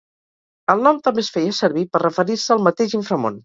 El nom també es feia servir per referir-se al mateix inframón.